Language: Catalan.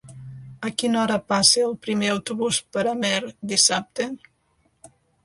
A quina hora passa el primer autobús per Amer dissabte?